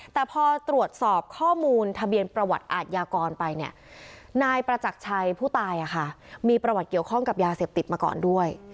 แต่พอตรวจสอบข้อมูลทะเบียนประวัติอาทยากรไปเนี่ยนายประจักรชัยผู้ตายมีประวัติเกี่ยวข้องกับยาเสพติดมาก่อนด้วย